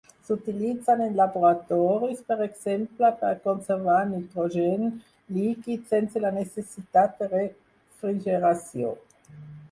S'utilitzen en laboratoris, per exemple, per a conservar nitrogen líquid sense la necessitat de refrigeració.